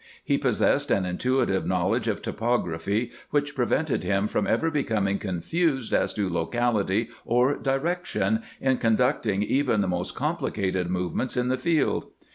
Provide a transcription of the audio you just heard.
He possessed an intuitive knowledge of topography, which prevented him from ever becoming confused as to lo cality or direction in conducting even the most compli cated movements in the field.